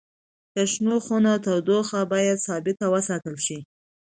د شنو خونو تودوخه باید ثابت وساتل شي.